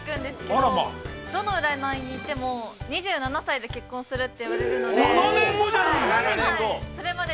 どの占いのも行っても、２７歳で結婚するって言われるので。